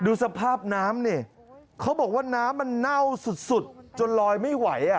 ดูสภาพน้ำนี่เขาบอกว่าน้ำมันเน่าสุดจนลอยไม่ไหว